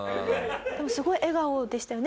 でもすごい笑顔でしたよね